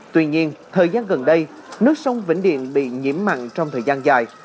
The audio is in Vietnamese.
tuy nhiên thời gian gần đây nước sông vĩnh điện bị nhiễm mặn trong thời gian dài